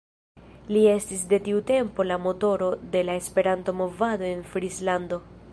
Li estis de tiu tempo la "motoro" de la Esperanto-movado en Frislando.